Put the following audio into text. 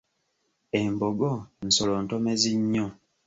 Embogo nsolo ntomezi nnyo.